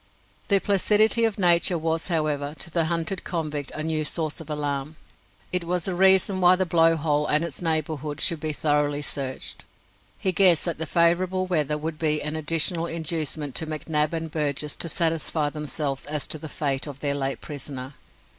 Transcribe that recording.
The placidity of Nature was, however, to the hunted convict a new source of alarm. It was a reason why the Blow hole and its neighbourhood should be thoroughly searched. He guessed that the favourable weather would be an additional inducement to McNab and Burgess to satisfy themselves as to the fate of their late prisoner.